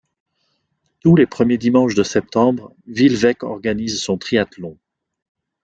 Tous les premiers dimanches de septembre, Villevêque organise son triathlon.